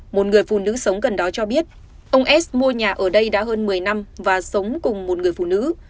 một người phụ nữ sống gần đó cho biết ông s mua nhà ở đây đã hơn một mươi năm và sống cùng một người phụ nữ